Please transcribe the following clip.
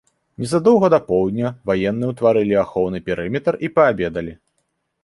Незадоўга да поўдня ваенныя ўтварылі ахоўны перыметр і паабедалі.